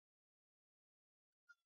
او مزغو له ارام ورکوي -